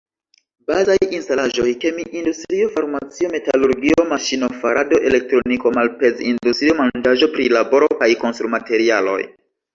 Bazaj instalaĵoj, kemi-industrio, farmacio, metalurgio, maŝino-farado, elektroniko, malpez-industrio, manĝaĵo-prilaboro kaj konstrumaterialoj.